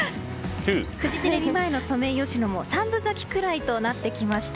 フジテレビ前のソメイヨシノも三分咲きくらいとなってきました。